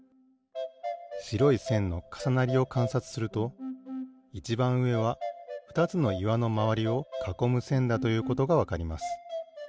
しろいせんのかさなりをかんさつするといちばんうえはふたつのいわのまわりをかこむせんだということがわかります。